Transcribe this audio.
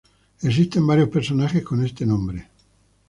Existen varios personajes con este nombre.